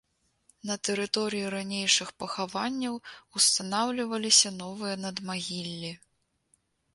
На тэрыторыі ранейшых пахаванняў устанаўліваліся новыя надмагіллі.